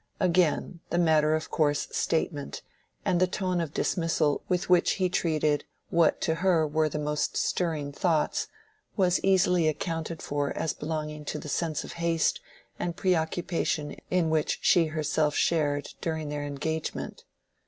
Again, the matter of course statement and tone of dismissal with which he treated what to her were the most stirring thoughts, was easily accounted for as belonging to the sense of haste and preoccupation in which she herself shared during their engagement.